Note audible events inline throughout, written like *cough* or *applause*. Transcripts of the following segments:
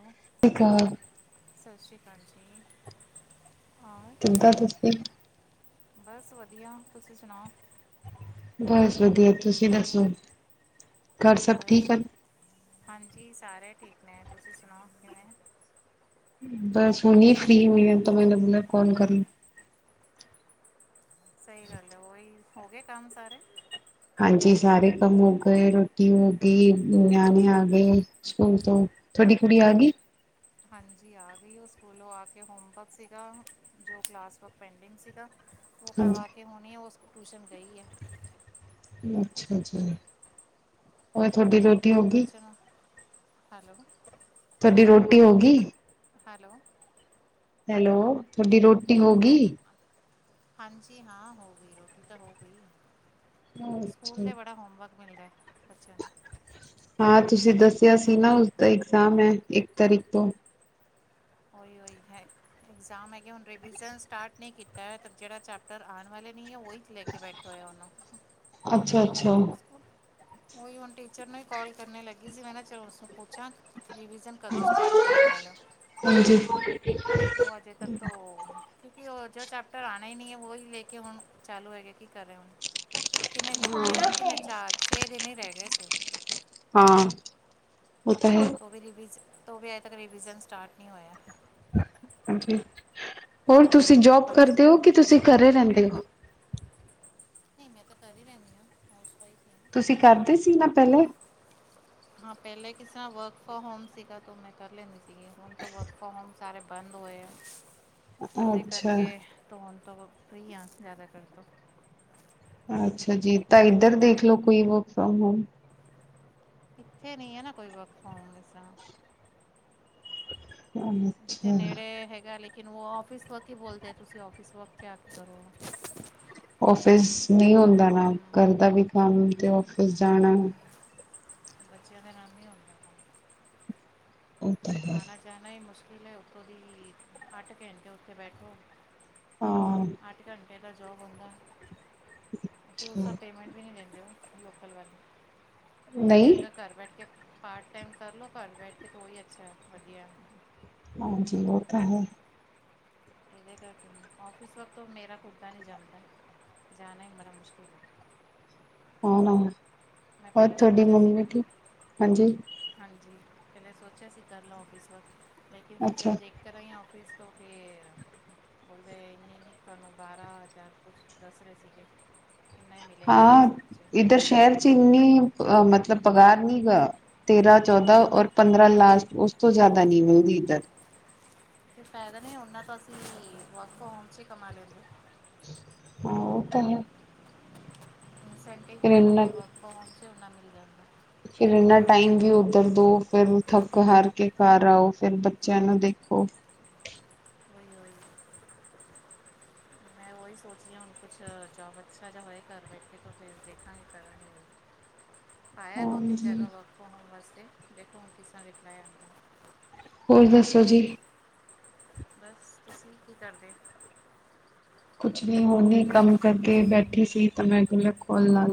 Hello, ਸ੍ਰੀ ਅਕਾਲ *unintelligible* ਚਿੰਤਾ ਕਿਸਦੀ? ਬਸ ਵਧੀਆ, ਤੁਸੀਂ ਸੁਣਾਓ? ਬਸ ਵਧੀਆ। ਤੁਸੀਂ ਦੱਸੋ, ਘਰ ਸਭ ਬਸ ਠੀਕ ਹਨ? ਹਾਂਜੀ, ਸਾਰੇ ਠੀਕ ਨੇ। ਤੁਸੀਂ ਸੁਣਾਓ, ਕਿਵੇਂ? ਬਸ ਹੁਨੀ ਫ੍ਰੀ ਹੋਈ ਆ ਤਾਂ ਮੈਂਨ ਅਪਣਾ ਕੌਨ ਕਰ ਲ ਸਹੀ ਗੱਲ ਐ। ਓਹੀ, ਹੋ ਗਏ ਕੰਮ ਸਾਰੇ? ਹਾਂਜੀ, ਸਾਰੇ ਕੰਮ ਹੋ ਗਏ, ਰੋਟੀ ਹੋ ਗੀ, ਨਿਆਣੇ ਆ ਗਏ ਸਕੂਲ ਤੋਂ। ਤੁਹਾਡੀ ਕੁੜੀ ਆ ਗੀ? ਹਾਂਜੀ, ਆ ਗਈ ਔ ਸਕੂਲੋਂ ਆ ਕੇ ਹੋਮਵਰਕ ਸੀਗਾ, ਜੋ ਕਲਾਸ ਵਰਕ ਪੈਂਡਿੰਗ ਸੀਗਾ। ਔ ਹਾਂਜੀ ਕਰਵਾ ਕੇ ਹੁਣੀ ਔ ਸ ਟੂਸ਼ਨ ਗਈ ਐ। ਅੱਛਾ ਜੀ, ਹੋਰ ਤੁਹਡੀ ਬ ਰੋਟੀ ਹੋ ਗੀ। ਬੱਚੇ ਨੂੰ ਹੈਲੋ। ਡੀ ਰੋਟੀ ਹੋ ਗੀ। ਹੈਲੋ। ਹੈਲੋ ਥੋਡੀ ਰੋਟੀ ਹੋ ਗੀ? ਹਾਂਜੀ ਹਾਂ ਹੋ ਗਈ ਰੋਟੀ, ਰੋਟੀ ਤਾਂ ਹੋ ਗਈ। ਅੱਛਾ। ਸਕੂਲ ਦੇ ਬੜਾ ਹੋਮਵਰਕ ਮਿਲਦੈ ਬਚਿਆ ਨੂੰ। ਹਾਂ, ਤੁਸੀਂ ਦੱਸਿਆ ਸੀ ਨਾ ਉਸਦਾ ਇਗਜ਼ਾਮ ਹੈ, ਇੱਕ ਤਰੀਕ ਤੋਂ। ਔਈਔ ਹੀ ਹੈਗ ਐਗਜਾਮ ਹੈਗੇ ਹੁਣ ਰਿਵੀਜਨ ਸਟਾਰਟ ਨੀ ਕੀਤੈ, ਜੇੜਾ ਚੈਪਟਰ ਆਣ ਵਾਲੇ ਨੀ ਔ ਓਹੀਕ ਲੈ ਕੇ ਬੈਠੇ ਹੋਏ ਆ ਔਨੂੰ। ਅੱਛਾ-ਅੱਛਾ ਔਹੀ ਹੁਣ ਟੀਚਰ ਨੂੰ ਈ ਕਾਲ ਕਰਨੇ ਲੱਗੀ ਸੀ, ਮੈਂ ਨਾ ਚਲੋ ਉਸਨੂੰ ਪੁਛਾਂ। ਰਿਵਿਜ਼ਨ ਕਦੋਂ ਸਟਾਰਟ ਕਰਨੇ ਵਾਲੇ ੳ? ਹਾਂਜੀ ਓਹ ਅਜੇ ਤੱਕ ਤੋਂ ਕਿਉਂਕਿ ੳ ਜੋ ਚੈਪਟਰ ਆਣਾ ਈ ਨੀ ਐ ਵੋਹੀ ਲੇ ਕੇ ਹੁਣ ਚਾਲੂ ਹੈਗੇ ਕੀ ਕਰ ਰੇ ਹੁਣ? ਕਿੰਨੇ ਗਿਣਕੇ ਹੁਣ ਕਿੰਨੇ ਚਾਰ ਛੇ ਦਿਨ ਹੀ ਰੈ ਗਏ ਸੀ। ਹਾਂ। ਉਹ ਤਾਂ ਹੈ। ਤੋਵੀ ਰਿਵੀਜ ਤੋ ਵੀ ਅਜੇ ਤੱਕ ਰਿਵੀਜਨ ਸਟਾਰਟ ਨੀ ਹੋਯਾ। ਹੋਰ ਤੁਸੀਂ ਜੋਬ ਬਚ ਕਰਦੇ ਹੋ? ਕਿ ਤੁਸੀਂ ਘਰੇ ਰੈੰਦੇ ਔ? ਨਹੀਂ ਮੈਂ ਤਾਂ ਘਰ ਹੀ ਰੈੰਦੀ ਆਂ, ਹਾਊਸ ਵਾਈਫ। ਹਾਂ ਤੁਸੀਂ ਕਰਦੇ ਸੀ ਨਾ ਪੈਲਾ ਹਾਂ, ਪੈਲੇ ਕਿਸ ਸਰਾ ਵਰਕ ਫਰੋਮ ਹੋਮ ਸੀਗਾ, ਤੋ ਮੈਂ ਕਰ ਲੈਂਦੀ ਸੀਗੀ ਹੋਣ ਤਾ ਵਰਕ ਫਰੋਮ ਹੋਮ ਸਾਰੇ ਬੰਦ ਹੋਏ ਆ ਅਤੇ ਉਹਦੇ ਅੱਛਾ ਕਰਕੇ ਧੋਣ ਫਰਿ ਆ ਜ਼ਿਆਦਾ ਕਰ ਤੋਂ। ਅੱਛਾ ਜੀਤਾਂ ਇੱਧਰ ਦੇਖਲਓ ਕੋਈ ਵਰਕ ਫਰੋਮ ਹੋਮ। ਇਿੱਥੇ ਨਹੀਂ ਹੈ ਨਾ ਕੋਈ ਵਰਕ ਫਰੋਮ ਐਸਾ ਹੋਮ। ਜਿੱਥੇ ਅੱਛਾ ਨੇੜੇ ਹੈਗਾ ਲਾਈਕ ਉਹ ਔਫਿਸ ਵਰਕ ਹੀ ਬੋਲਦੇ ਤੁਸੀਂ ਔਫਿਸ ਵਰਕ ਕਿਆ ਕਰੋ। ੳਫਿਸ ਨਹੀਂ ਲੋਕਲ ਹੁੰਦਾ ਨਾ ਹਮ, ਘਰਦਾ ਵੀ ਕੰਮ ਤੇ ਫਿਰ ਜਾਣਾ। ਬੱਚਿਆਂ ਦੇ ਨਾਲ ਹੀ ਹੌਦਾ ਕਮ ਉਹ ਤਾਂ ਹੈ ਆਉਣਾ ਜਾਣਾ ਹੀ ਮੁਸ਼ਕਿਲ ਹੈ। ਉੱਥੋਂ ਦੀ ਅੱਠ ਘੰਟੇ ਉੱਥੇ ਬੈਠੋ। ਹਾਂ ਅਠ ਘੰਟੇ ਦਾ ਜੋਬ ਹੁੰਦਾ। ਫੇਰ ਉਸਦਾ ਪੇਮੈਂਟ ਵੀ ਨਹੀ ਦਿੰਦੇ ਹੋ ਲੋਕਲ ਵਾਲੇ ਅਛਾ ਨਹੀਂ ਚੰਗਾ ਘਰ ਬੈਠ ਕੇ ਪਾਰਟ ਟਾਈਮ ਕਰ ਲੋ ਘਰ ਬੈਠ ਕੇ ਤੇ ੳਹੀ ਅੱਛਾ ਏ। ਵਧੀਆ। ਹਾਂਜੀ ਉਹ ਤਾਂ ਹੈ। ਇਹਦੇ ਕਰਕੇ ਔਫਿਸ ਵਕਤ ਮੇਰਾ ਕੁੱਤਾ ਨਹੀਂ *inaudible* ਜਾਂਦਾ। ਜਾਨਾ ਹੀ ਬੜਾ ਮੁਸ਼ਕਿਲ ਏ ਆਨ *inaudible* ਮੈਂ ਪਹਿਲਾਂ ਸੋਚਿਆ ਸੀਗਾ ਹਾਂਜੀ ਹਾਂਜੀ। ਪਹਿਲੇ ਸੋਚਿਆ ਸੀ ਕਰ ਲਾ ਔਫਿਸ ਵਰਕ ਲੇਕਨ ਫਿਰ ਅੱਛਾ ਜਦ ਦੇਖ ਕਰ ਆਈ ਹਾਂ ਔਫਿਸ *unintelligible* *inaudible* ਤੇ ਤੁਹਾਨੂੰ ਬਾਰਾਂ ਹਜ਼ਾਰ ਕੁਛ ਦੱਸ ਰਹੇ ਸੀਗੇ। ਇੰਨਾ ਹੀ ਮਿਲੇਗਾ ਹਾਂ ਆਫਿਸ ਵਿੱਚ ਇੱਧਰ ਸ਼ਹਿਰ ਚ ਇੰਨੀ ਅ ਮਤਲਬ ਪਗਾਰ ਨੀ ਗਾ। ਤੇਰਾਂ ਚੌਦਾਂ ਔਰ ਪੰਦਰਾਂ ਲਾਸਟ ਉਸ ਤੋਂ ਜਿਆਦਾ ਨੀ ਮਿਲਦ। *unintelligible* *inaudible* ਕੋਈ ਫਾਇਦਾ ਨਹੀਂ ਉਹਨਾਂ ਤਾਂ ਅਸੀਂ ਵਰਕ ਫਰੋਮ ਹੋਮ ਚ ਹੀ ਕਮਾ ਲੈਂਦੇ। ਹਾਂ ਉਹ ਤਾਂ ਹੈ। ਇਨਸੈਂਟਿਵ ਪਕੜ ਕੇ ਵਰਕ ਫਰੋਮਹੋਮ 'ਚ ਉਨਾ ਮਿਲ ਜਾਂਦਾ ਫਿਰ ਇਨਾ ਟਾਈਮ ਵੀ ਉੱਧਰ ਦੋ ਫਿਰ ਥੱਕ ਹਾਰ ਕੇ ਘਰ ਆਓ ਫਿਰ ਬੱਚਿਆਂ ਨੂੰ ਦੇਖ ਹੋ ਉਹੀ ਉਹੀ ਮੈਂ ਉਹੀ ਸੋਚਦੀ ਹਾਂ। ਹੁਣ ਕੁਛ ਜੋਬ ਅੱਛਾ ਜੇਹਾ ਹੋਏ। ਘਰ ਬੈਠੇ ਤਾਂ ਫਿਰ ਦੇਖਾਂਗੇ ਕਰਾਂਗੇ। *unintelligible* ਆਾਇਆ ਦੋ ਤਿੰਨ ਹਾਂਜੀ ਜਗ੍ਹਾ ਵਰਕ ਫਰੋਮ ਹੋਮ ਵਾਸਤੇ ਦੇਖੋ ਹੁਨ ਕਿਸ ਤਰਾਂ ਰਿਪਲਾਈ ਆਂਦਾ। ਹੋਰ ਦੱਸੋ ਜੀ। ਬਸ ਤੁਸੀਂ ਕੀ ਕਰਦੇ ਕੁਛ ਨੀ ਹੁਨ ਈ ਕੰਮ ਕਰਕੇ ਬੈਠੀ ਸੀ ਤਾਂ ਮੈਂ ਕਿਆ ਖੋਲ ਲਾ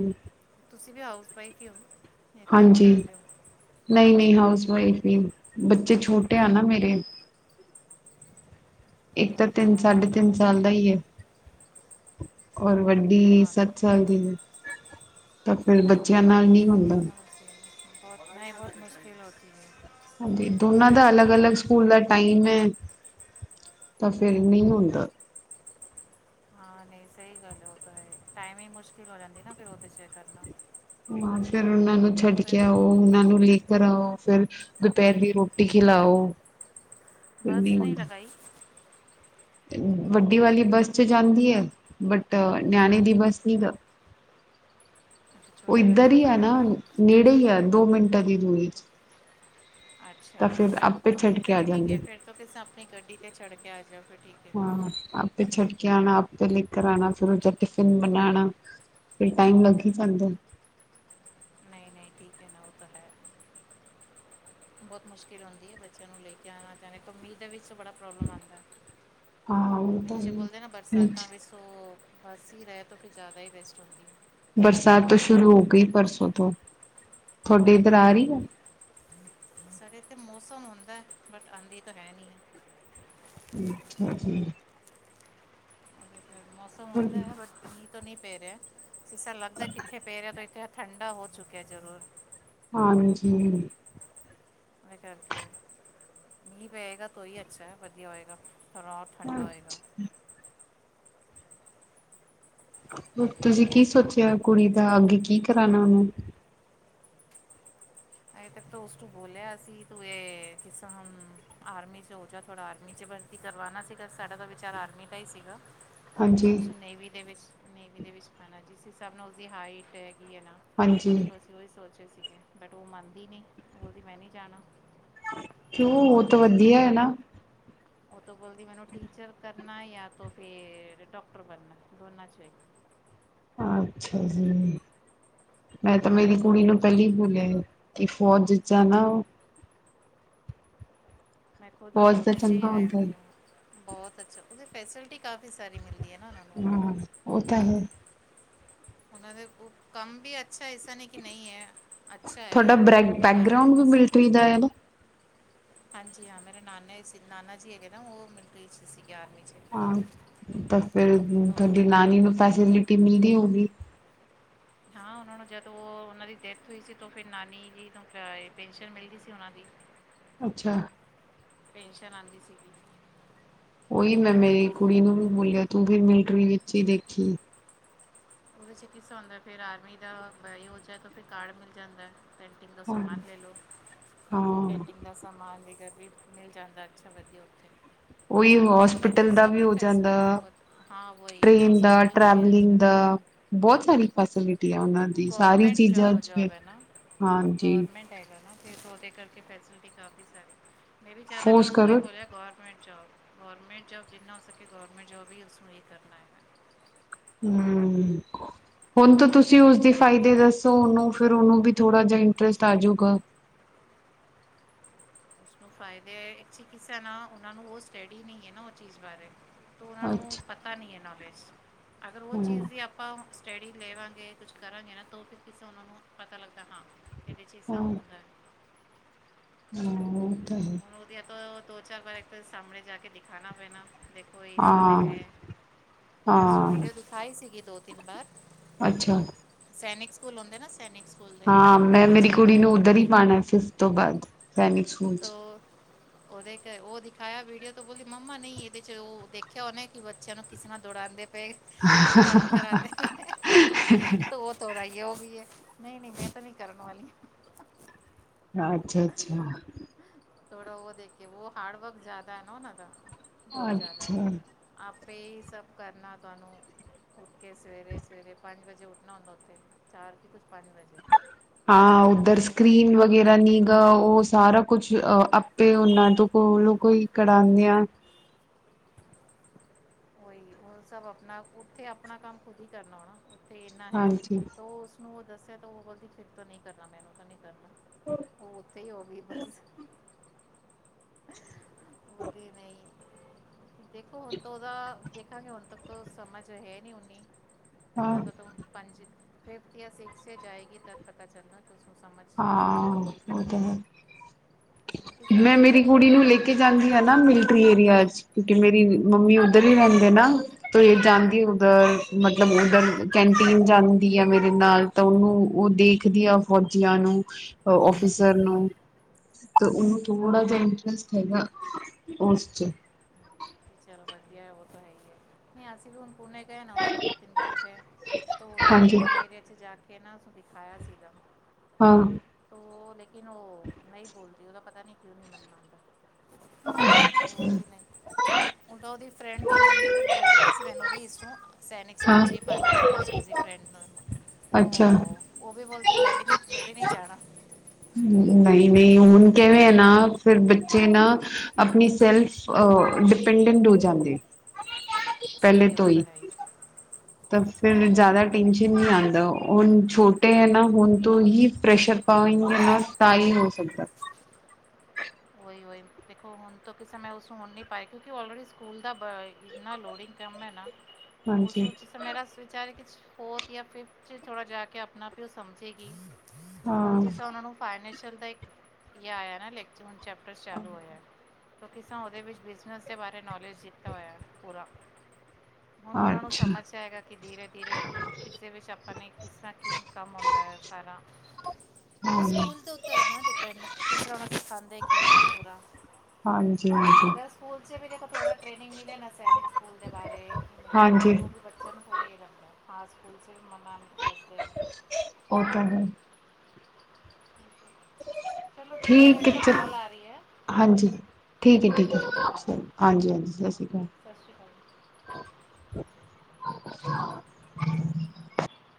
ਤੁਸੀਂ ਵੀ ਹਾਊਸ ਵਾਈਫ ਈ ਹੋ। ਇਹ ਕੰਮ ਹਾਂਜੀ। ਕਰਦੇ ਹੋ ਨਹੀਂ ਨਹੀਂ ਹਾੳਸ ਬੱਚੇ ਛੋਟੇ ਆ ਨਾ ਮੇਰੇ। ਇੱਕ ਤਾਂ ਤਿੰਨ ਆਪਣਾ ਸਾਢੇ ਤਿੰਨ ਸਾਲ ਦਾ ਈ ਏ ਓਰ ਕ ਵੱਡੀ ਹਾਂ ਸੱਤ ਸਾਲ ਦੀ ਤਾਂ ਫਿਰ ਬੱਚਿਆਂ ਨਾਲ ਨਹੀਂ ਹੁੰਦਾ। ਬਹੁਤ ਨਹੀਂ ਬਹੁਤ ਮੁਸ਼ਕਿਲ ਹੋਤੀ ਹੈ। ਹਾਂਜੀ। ਦੋਨਾਂ ਦਾ ਅਲੱਗ ਅਲੱਗ ਸਕੂਲ ਦਾ ਟਾਈਮ ਏ। ਤਾਂ ਫੇਿਰ ਨਹੀਂ ਹੋਂਦਾ ਹਾਂ ਨਹੀਂ ਸਹੀ ਗਲ ਏ ਉਹ ਤਾਂ ਟਾਈਮ ਈ ਮੁਸ਼ਕਿਲ ਹੋ ਜਾਂਦੀ ਨਾ ਫਿਰ ਉਹਦੇ ਚ ਕਰਨਾ। ਹਾ ਫੇਿਰ ਉਹਨਾਂ ਨੂੰ ਛੱਡ ਕੇ ਆੳ ਉਹ ਉਹਨਾਂ ਨੂੰ ਲਿ ਕਰਾਓ ਫੇਿਰ ਦੁਪਹਿਰ ਦੀ ਰੋਟੀ ਖਿਲਾਓ। ਫਿਰ ਬਸ ਨਹੀਂ ਹੁੰਦਾ। ਲਗਾਈ। ਵੱਡੀ ਵਾਲੀ ਬੱਸ ਚ ਜਾਂਦੀ ਏ। ਬਟ ਨਿਆਣੇ ਦੀ ਬੱਸ ਨੀ ਉਹ ਇੱਧਰ ਈ ਏ ਨਾ। ਨੇੜੇ ਹੀ ਹੈ ਦੋ ਮਿੰਟ ਦੀ ਦੂਰੀ ਚ' ਅੱਛਾ ਤਾਂ ਫਿਰ ਆਪੇ ਛੱਡ ਕੇ ਫਿਰ ਆ ਠੀਕ ਜਾਂਦੇ। ਏ ਫੇਿਰ ਤੁਸੀਂ ਕਿਸੇ ਆਪਣੀ ਗੱਡੀ ਤੇ ਚੜ੍ਹ ਕੇ ਆ ਜਾਓ ਫਿਰ ਠੀਕ। ਹਾਂ ਆਪੇ ਛਡਕੇ ਆਣਾ ਆਪੇ ਲੈ ਕਰ ਆਨਾ ਫਿਰ ਟਿਫਿਨ ਬਨਾਣਾ ਫਿਰ ਟਾਈਮ ਲੱਗੀ ਜਾਂਦਾ ਹੈ ਨਾ ਉਹ ਤਾਂ ਹੈ ਬਹੁਤ ਮੁਸ਼ਕਿਲ ਹੁੰਦੀ ਏ। ਬੱਚਿਆਂ ਨੂੰ ਲੈ ਕੇ ਆਨਾ ਜਿਵੇਂ ਮੀਹ ਦੇ ਵਿਚ ਬੜਾ ਪ੍ਰੋਬਲਮ ਆਂਦਾ ਹਾਂ ਉਹ ਦਾ ਤਾਂ ਬੱਚੇ ਬੋਲਦੇ ਨਾ ਹੈ ਬਰਸਾਤਾਂ ਵਿਚ ਸੋ ਬਸ ਹੀ ਰਹਿ ਤੋਂ ਫਿਰ ਜ਼ਿਆਦਾ ਹੀ ਬੈਸਟ ਹੁੰਦੀ ਏ- ਬਰਸਾਤ ਤੇ ਸ਼ੁਰੂ ਹੋ ਗਈ ਪਰਸੋਂ ਤੋ ਤੁਹਾਡੇ ਇੱਧਰ ਹੈ ਆ ਰਹੀ ਏ ਸਾਡੇ ਇਥੇ ਮੌਸਮ ਹੁੰਦਾ ਬਟ ਆਦੀ ਤਾ ਹੈ। ਨੀ। ਅਛਾ ਜੀ ਸਾਡੇ ਤੇ ਮੌਸਮ ਹੋਦਾ ਏ। ਬਸ ਠੀਕ ਕਿੱਥੇ ਮੀਂਹ ਪੈ ਰਿਹਾ ਇਸ ਤਰਾ ਲੱਗਦਾ ਕਿੱਥੇ ਪੈ ਰਿਹਾ ਤੇ ਇਥੇ ਠੰਡਾ ਹੋ ਚੁਕਿਆ ਜਰੂਰ ਹਾਂਜੀ। ਤਾ ਕਰਕੇ ਮੀਂਹ ਪਏਗਾ ਤੋ ਹੀ ਅੱਛਾ ਵਧੀਆ ਹੋਏਗਾ। ਰਾਤ ਠੰਡਾ ਹੋਏਗਾ ਤੁਸੀ ਕੀ ਸੋਚਿਆ ਕੁੜੀ ਦਾ ਅਗੇ ਕੀ ਕਰਾਨਾ ਉਹਨੂੰ ਅਤੇ ਬੋਲਿਆ ਸੀ ਤੂੰ ਇਹ ਕਿਸ ਏਹ ਆਰਮੀ ਚ' ਹੋ ਜਾ ਥੋੜਾ ਆਰਮੀ ਚ' ਕਰਵਾਨਣਾ ਸੀਗਾ ਸਾਡਾ ਤਾਂ ਵਿਚਾਰ ਆਰਮੀ ਦਾ ਹੀ ਸੀਗਾ ਹਾਂਜੀ ਉਸ ਨੇਵੀ ਦੇ ਵਿਚ ਨੇਵੀ ਦੇ ਵਿਚ ਪਾਣਾ ਸੀ ਜਿਸ ਹਿਸਾਬ ਨਾਲ ਉਸਦੀ ਹਾਈਟ ਨਾ ਹਾਂਜੀ ਅਸੀ ਉਹੀ ਸੋਚੇ ਸੀਗੇ ਬਟ ਉਹ ਮੰਨਦੀ ਨਹੀ ਬੋਲਦੀ ਮੈਂ ਨਹੀ ਜਾਣਾ ਉਹ ਉਹੋ ਤਾਂ ਵਧੀਆ ਹੈ। ਨਾ ਤੋ ਬੋਲਦੀ ਮੈਨੂੰ ਟੀਚਰ ਕਰ ਨਾ ਯ ਤੋਂ ਫਿਰ ਡਾਕਟਰ ਬਣਨਾ ਦੋਨਾ ਵਿਚੋ ਇਕ ਅੱਛਾ ਜੀ- ਮੈਂ ਤਾਂ ਵੀ ਉਹ ਮੇਰੀ ਕੁੜੀ ਨੂੰ ਪਹਿਲੀ ਹੀ ਬੋਲਿਆ ਕਿ ਫੋਜ ਜਾ ਨਾ ਮੈਂ ਖੁਦ ਫੌਜ ਦਾ ਉਹਦੇ ਚ' ਹੀ ਚੰਗਾ ਆਏ ਹੁੰਦਾ ਹੈ ਬਹੁਤ ਅੱਛਾ ਪਤਾ ਫੈ ਹਾਂ ਉਹ ਤਾਂ ਹੈ। ਉਹਨਾ ਦੇ ਕੰਮ ਵੀ ਅੱਛਾ ਐਸਾ ਨਹੀ ਕਿ ਨਹੀ ਹੈ। ਅਛਾ ਤੁਹਾਡਾ ਹੈਗਾ ਬੈਕ ਆਰਮੀ ਬੈਕਗਰਾਊਂਡ ਡੀ ਵੀ ਮਿਲਟਰੀ ਦਾ ਹੈ ਨਾ ਹਾਂਜੀ ਹਾਂ ਮੇਰੇ ਨਾਨਾ ਸੀ ਨਾਨਾ ਜੀ ਹੈਗੇ ਨਾ ਉਹ ਮਿਲਟਰੀ ਵਿੱਚ ਸੀਗੇ। ਆਰਮੀ 'ਚ ਹਾਂ ਤਾਂ ਫੇਰ ਤੋਂ ਤੁਹਾਡੀ ਨਾਨੀ ਨੂੰ ਪੈਸੇ ਮਿਲ ਤੇ ਮਿਲਦੀ ਹੋਏ ਗੀ। ਹਾਂ ਉਹਨਾਂ ਨੂੰ ਜਦੋਂ ਉਹ ਉਹਨਾਂ ਦੀ ਡੈਥ ਹੋਈ ਸੀ ਤਾਂ ਫਿਰ ਨਾਨੀ ਜੀ ਨੂ ਪੈਨਸ਼ਨ ਮਿਲਦੀ ਸੀ ਉਹਨਾ ਦੀ ਅੱਛਾ ਪੈਨਸ਼ਨ ਆਂਦੀ ਸੀ ਉਹੀ ਮੈਂ ਮੇਰੀ ਕੁੜੀ ਨੂੰ ਵੀ ਬੋਲਿਆ ਤੂੰ ਫਿਰ ਮਿਲਟਰੀ ਵਿਚ ਹੀ ਦੇਖੀ ਉਹਦੇ ਚ' ਕਿਸੇ ਹੁੰਦਾ ਫਿਰ ਆਰਮੀ ਦਾ ਫਿਰ ਕਾਰਡ ਮਿਲ ਜਾਂਦਾ ਪੇਂਟਿੰਗ ਦਾ ਸਮਾਨ ਲੈ ਲਓ ਹਾਂ ਪੇਂਟਿੰਗ ਦਾ ਸਮਾਨ ਵੀ ਘਰ ਵੀਚ ਮਿਲ ਜਾਂਦਾ ਅੱਛਾ ਵਧੀਆ ਉਥੋ ਉਹੀ ਨਹੀ ਉਹਨਾ ਦੀ ਹੋਸਪਿਟਲ ਦਾ ਉਸਰਾ ਵੀ ਹੋ ਜਾਂਦਾ ਫੈਸਿਲੀਟੀ ਬਹੁਤ ਹਾਂ ਵਹੀ ਹੋ ਹੋਸਪਿਟਲ ਦਾ ਵੀ ਅੱਛਾ ਹਾ- ਬਹੁਤ ਸਾਰੀ ਫੈਸਿਲਿਟੀ ਆ ਉਹਨਾਂ ਦੀ ਸਾਰੀ ਚੀਜਾ ਚ ਫ ਹਾਂਜੀ ਹੈ ਨਾ ਫਿਰ ਉਹਦੇ ਕਰਕੇ ਫੈਸਿਲਿਟੀ ਕਾਫੀ ਸਾਰੀ ਮੈਂ ਵੀ ਜ਼ਿਆਦਾਤਰ ਫੋਰਸ ਉਹਨੂੰ ਉਹੀ ਕਰੋ ਬੋਲਿਆ ਗੌਰਮੈਂਟ ਜੌਬ। ਗੌਰਮੈਂਟ ਜ ਜੋਬ ਜਿਨਾ ਹੋ ਸਕੇ ਗੌਰਮੈਂਟ ਜੋਬ ਹੀ ਉਸਨੂੰ ਹੀ ਕਰਨਾ ਹੈ। ਹੂੰ ਹੁਣ ਤਾਂ ਅੱਗੇ ਤੁਸੀ ਉਸਦੇ ਫਾਇਦੇ ਦਸੋ ਉਹਨੂੰ ਫਿਰ ਉਹਨੂੰ ਵੀ ਥੋੜਾ ਜਿਹਾ ਇੰਟਰਸਟ ਆਜੂਗਾ ਉਸਨੂੰ ਫਾਇਦੇ ਕਿਸ ਨਾ ਉਹ ਨੂੰ ਉਹ ਸਟਡੀ ਨਹੀ ਹੈ। ਨਾ ਉਹ ਚੀਜ਼ ਬਾਰੇ ਤ ਉਹਨਾਂ ਨੂੰ ਅੱਛਾ ਪਤਾ ਨੀ ਨੌਲੇਜ ਅਗਰ ਉਹ ਹਾਂ ਚੀਜ਼ ਵੀ ਆਪਾ ਸਟੈਡੀ ਲਵਾਗੇ ਕੁਛ ਕਰਾਗੇ ਨਾ ਤਾਂ ਫਿਰ ਕਿਸੇ ਉਹਨਾ ਨੂੰ ਪਤਾ ਲੱਗਦਾ ਤਾਂ ਹਾਂ ਇਹਦੇ ਵਿਚ ਹਾਂ ਸਬ ਹੂੰਦਾ ਹੈ। ਹਾਂ- ਤਾਂ ਹੈ ਹੁਣ ਉਹਦੀਆਂ ਤੋਂ ਦੋ ਚਾਰ ਵਾਰ ਇਕ ਸਾਹਮਣੇ ਜਾ ਕੇ ਦਿਖਾਣਾ ਪੈਣਾ ਦੇਖੋ ਇਸਸਾ ਤਾਂ ਹਾਂ ਹੈ ਮੈਂ ਉਸਨੂੰ ਹਾਂ ਵੀਡੀਓ ਦਿਖਾਈ ਸੀਗੀ ਦੋ ਤਿੰਨ ਵਾਰ ਅੱਛਾ ਸੈਨਿਕ ਸਕੂਲ ਹੁੰਦੇ ਨਾ- ਸੈਨਿਕ ਸਕੂਲ ਦੇ ਹਾਂ ਮੈਂ ਮੇਰੀ ਬੱਚਿਆਂ ਦੀ ਕੁੜੀ ਨੂੰ ਉੱਧਰ ਹੀ ਪਾਣਾ ਫਿਫਥ ਤੋਂ ਬਾਅਦ ਸੈਨਿਕ ਸਕੂਲ ਤੋ ਚ *inaudible* ਉਹਦੇ ਇਕ ਉਹ ਦਿਖਾਇਆ ਵੀਡੀਓ ਤੋਂ ਬੋਲੀ ਮੰਮਾ ਨਹੀਂ ਇਹਦੇ 'ਚ ਉਹ ਦੇਖਿਆ ਉਹਨੇ ਕਿ ਬੱਚਿਆਂ ਨੂੰ ਕਿਸ ਤਰ੍ਹਾਂ ਦੌੜਾਉਂਦੇ ਰੂ ਕੰਮ ਕਰਾਦੇ ਪਏ ਤੋ ਉਹ ਥੋੜਾ ਹੋ ਗਈ ਹੈ। ਨਹੀਂ ਨਹੀਂ ਮੈਂ ਤਾਂ ਨੀ ਕਰਨ ਵਾਲੀ ਹ- ਹਾ ਅੱਛਾ-ਅੱਛਾ! ਥੋੜਾ ਉਹ ਦੇਖੀ ਉਹ ਹਾਰਡ ਵਰਕ ਜ਼ਿਆਦਾ ਹੈ ਨਾ ਉਹਨਾ ਦਾ। ਅੱਛਾ, ਪੇ ਸਭ ਕਰਨਾ ਤੁਹਾਨੂੰ ਉੱਠ ਕੇ ਸਵੇਰੇ- ਸਵੇਰੇ ਪੰਜ ਵਜੇ ਜੇ ਉਠਣਾ ਹੁਣ ਉਥੇ ਚਾਰ ਕੀ ਕੁਛ ਪੰਜ ਵਜੇ ਹਾਂ ਉਹਨਾਂ ਦਾ ਉੱਧਰ ਟਾਈਮਿੰਗ ਸਕ੍ਰਰੀਨ ਹੁੰਦਾ ਵਗੈਰਾ ਨੀਗਾ ਉਹ ਸਾਰਾ ਕੁਛ ਅ ਆਪੇ ਉਹਨਾਂ ਤੋਂ ਕੋਲੋ ਕੋਈ ਕਰਾਨੇ ਆ। ਉਹੀ ਹੋਰ ਸਭ ਆਪਣਾ ਉੱਥੇ ਆਪਣਾ ਕੰਮ ਖੁਦ ਹੀ ਕਰਨਾ ਹੋਣਾ। ਉੱਥੇ ਇੰਨਾ ਹੈ ਹਾਂਜੀ ਤੋ ਉਸਨੂੰ ਉਹ ਦੱਸਿਆ ਤੋ ਉਹ ਫਿਰ ਤੋ ਨਹੀਂ ਕਰਨਾ ਮੈਨੂੰ ਤਾਂ ਨਹੀਂ ਉਹ ਉਥੇ ਹੀ ਹੋ ਗਈ ਬਸ। ਬੋਲੀ ਨਹੀਂ। ਦੇਖੋ ਹੁਣ ਤਾਂ ਉਹਦਾ ਦੇਖਾਂਗੇ ਹੁਣ ਤੱਕ ਤੋ ਸਮਝ ਹੈ ਨੀ ਉਨੀ। ਹਾਂ ਜਦੋਂ ਤੋ ਹੁਣ ਪੰਜ ਫਿਫਥ ਯਾ ਸਿਕਸ ਜਾਏਗੀ ਤਦ ਪਤਾ ਚੱਲਣਾ। ਕਿ ਉਸਨੂੰ ਸਮਝ ਹਾਂ ਕੀ ਹੈ ਕੀ ਉਹ ਤਾਂ ਨਹੀਂ ਹੈ, ਕਿਉਂਕਿ ਸਰ ਮੈਂ ਛੋਟੇ ਮੇਰੀ ਉਹਨਾਂ ਕੁੜੀ ਨੂੰ ਹੁਣ ਲੈਕੇ ਪਤਾ ਹੀ ਜਾਂਦੀ ਹੈ ਨਾ ਨਹੀਂ ਮਿਲਟਰੀ ਏਰੀਆ ਚ, ਕਿਉਂਕਿ ਮੇਰੀ ਮੰਮੀ ਉੱਧਰ ਹੀ ਰਹਿੰਦੇ ਨਾ। ਇਹ ਜਾਂਦੀ ਹਾਂਜੀ ਉਧਰ ਹਾਂਜੀ। ਮਤਲਬ ਉਧਰ ਕੈਂਨਟੀਨ ਜਾਂਦੀ ਆ ਮੇਰੇ ਨਾਲ ਤਾਂ ਉਹਨੂੰ ਉਹ ਦੇਖਦੀ ਆ ਫੌਜੀਆਂ ਨੂੰ। ਔਫਿਸਰ ਨੂੰ ਤੇ ਉਹਨੂੰ ਥੋੜਾ ਜਿਹਾ ਇੰਟਰਸਟ ਹੈਗਾ ਉਸ ਚ। ਚੱਲ ਵਧੀਆ ਉਹ ਤਾਂ ਹੈ ਹੀ ਐ, ਨਹੀਂ ਅਸੀਂ ਵੀ ਹੁਣ ਪੁਣੇੇ ਗਏ ਨਾ ਉਸਨੂੰ ਦੋ ਤਿੰਨ ਵਾਰ ਉਥੇ ਤਾਂ ਉੱਧਰ ਹਾਂਜੀ ਮਿਲਟਰੀ ਏਰੀਆ ਚ ਜਾ ਕੇ ਨਾ ਉਸਨੂੰ ਦਿਖਾਇਆ ਸੀਗਾ। ਹਾਂ, ਤੋ ਉਹ ਲੇਕਿਨ ਉਹ ਨਹੀਂ ਬੋਲਦੀ ਉਹਦਾ ਪਤਾ ਨਹੀਂ ਕਿਉਂ ਨੀ ਮਨ ਮੰਨਦਾ। ਹੋਰ ਕਿ ਨਹੀਂ ਉਲਟਾ ਉਹਦੀ ਫਰੈਂਡ ਦੀ ਮੰਮੀ ਵੀ ਬੋਲਦੀ ਪਈ ਸੀ ਮੈਨੂੰ ਵੀ ਇਸ ਨੂੰ ਸੈਨਿਕ ਸਕੂਲ ਹਾਂ ਚ ਹੀ ਪਾਣਾ ਐਡਮਿਸ਼ਨ ਉਹਦੀ ਫਰੈਂਡ ਕੋਲ। ਅੱਛਾ, ਵੀ ਬੋਲਦੀ ਮੈਂ ਵੀ ਨਹੀਂ ਮੈਂ ਵੀ ਨਹੀਂ ਜਾਣਾ। ਹੂੰ, ਨਹੀਂ- ਨਹੀਂ ਹੁਣ ਕਿਵੇਂ ਹੈ ਨਾ ਫਿਰ ਬੱਚੇ ਨਾ ਆਪਣੀ ਸੈਲਫ ਅ ਡਿਪੈਂਡ ਡ ਹੋ ਜਾਂਦੇ ਐ। ਸਹੀ ਹੋ ਤਾਂ ਹੈ ਹੀ ਤਾਂ ਫਿਰ ਜ਼ਿਆਦਾ ਟੈਂਸ਼ਨ ਨਹੀਂ ਆਉਂਦਾ ਹੁਣ ਛੋਟੇ ਹੈ ਨਾ ਹੁਣ ਤੋਂ ਹੀ ਪ੍ਰੈਸ਼ਰ ਪਾ ਸਤਾਈ ਹੋ ਸਕਦਾ ਉਹੀ -ਉਹੀ ਦੇਖੋ ਹੁਣ ਤੋ ਕਿਸੇਂ ਉਸਨੂੰ ਹੁਣ ਨ ਪਾਈ ਕਿਉਂਕਿ ਔਲਰੇਡੀ ਸਕੂਲ ਬ ਇੰਨਾ ਲੋਡਿੰਗ ਕੰਮ ਹੈ ਨਾ ਉਸ ਹਾਂਜੀ ਵਿਚ ਸਮੇਂ ਵਿਚ ਵਿਚਾਰੇ ਫੋਰਥ ਜਾ ਫਿਫਥ ਚ ਥੋੜਾ ਜਾ ਕੇ ਆਪਣਾ ਆਪ ਹੀ ਉਹ ਸਮਝੇਗੀ। ਹੁਣ ਹਾਂ ਜਿਸ ਤਰਾ ਉਹਨਾ ਨੂੰ ਫਾਈਨੈਂਸ਼ਲ ਦਾ ਇਕ ਆਇਆ ਨਾ ਲੈਕਚਰ ਚੈਪਟਰ ਚਾਲੂ ਹੋਇਆ। ਕਿ ਕਿਸ ਤਰ੍ਹਾਂ ਉਹਦੇ ਵਿੱਚ ਬਿਜ਼ਨਸ ਦੇ ਬਾਰੇ ਨੌਲੇਜ ਦਿੱਤਾ ਹੋਇਆ ਪੂਰਾ। ਹੁਣ ਉਹਨਾਂ ਨੂੰ ਅੱਛਾ ਸਮਝ ਜਾਏਗਾ ਕਿ ਧੀਰੇ -ਧੀਰੇ ਕੀ ਕਿਸਦੇ ਵਿੱਚ ਆਪਾਂ ਨੇ ਕਿਸ ਤਰ੍ਹਾਂ ਕੀ ਕੰਮ ਹੁੰਦਾ ਹੈ। ਉਹ ਹਾਂ ਸਕੂਲ ਦੇ ਉੱਤੇ ਨਾ ਡਿਪੈਂਡ ਕਿਸ ਤਰ੍ਹਾਂ ਉਹ ਸਿਖਾਂਦੇ ਠੀਕ ਹੈ ਪੁਰਾ ਹਾਂਜੀ ਹਾਂਜੀ ਅਗਰ ਸਕੂਲ ਚ ਵੀ ਦੇਖੋ ਥੋੜਾ ਟ੍ਰੇਨਿੰਗ ਮਿਲੇ ਨਾ ਸੈਨਿਕ ਸਕੂਲ ਦੇ ਬਾਰੇ ਕਿ ਮਿਲਟਰੀ ਬਾਰੇ ਹਾਂਜੀ ਉਹ ਵੀ ਬੱਚਿਆਂ ਨੂੰ ਥੋੜ੍ਹਾ ਜਿਹਾ ਲੱਗਦਾ ਹਾਂ ਸਕੂਲ ਚ ਫਿਰ ਮੰਮਾ ਉਹਨਾਂ ਨੂੰ ਦੱਸਦੇ ਨੇ। ਉਹ ਤਾਂ ਹੈ ਚਲੋ ਠੀਕ ਹੈ ਮੈਨੂੰ ਇਕ ਨਾ ਕਾਲ ਆ ਰਹੀ ਹੈ। ਹਾਂਜੀ ਠੀਕ ਹੈ ਮੈਂ ਠੀਕ ਹੈ, ਕਰਨੀ ਕੰਮ ਹਾਂਜੀ -ਹਾਂਜੀ ਸਸ ਰੀ ਓਕੇ ਕਾਲ। ਸਤਿ ਸ਼੍ਰੀ ਅਕਾਲ *unintelligible*